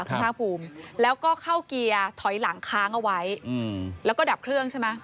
คุณภาคภูมิแล้วก็เข้าเกียร์ถอยหลังค้างเอาไว้แล้วก็ดับเครื่องใช่ไหม